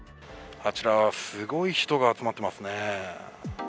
あちらはすごい人が集まっていますね。